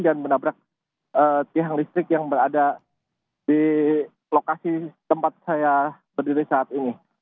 dan menabrak pihang listrik yang berada di lokasi tempat saya berdiri saat ini